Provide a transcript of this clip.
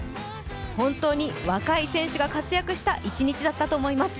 本当に若い選手が活躍した一日だったと思います。